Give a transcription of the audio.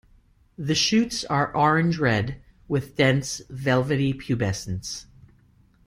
The shoots are orange-red with dense velvety pubescence.